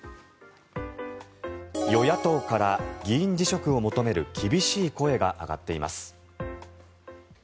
与野党から議員辞職を求める厳しい声が上がっています。